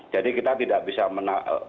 jadi kita tidak bisa menafikan